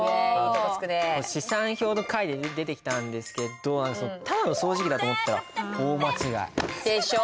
試算表の回で出てきたんですけどただの掃除機だと思ったら大間違い。でしょ。